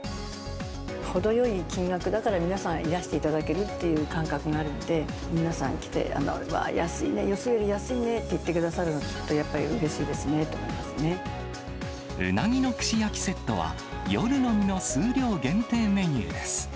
程よい金額だから、皆さん、いらしていただけるっていう感覚があるので、皆さん来て、うわー、安いね、よそより安いって言ってくださるの、やっぱり、うなぎの串焼きセットは、夜のみの数量限定メニューです。